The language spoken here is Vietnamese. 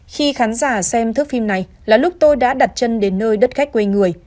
khi khán giả xem thước phim này là lúc tôi đã đặt chân đến nơi đất khách quê người